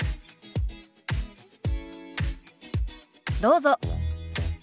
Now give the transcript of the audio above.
どうぞ。